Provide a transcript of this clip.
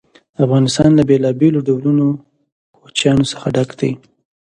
افغانستان له بېلابېلو ډولونو کوچیانو څخه ډک دی.